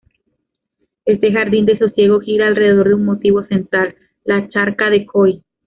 Este jardín de sosiego gira alrededor de un motivo central la charca de Koi.